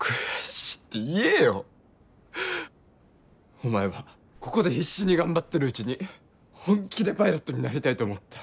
お前はここで必死に頑張ってるうちに本気でパイロットになりたいと思った。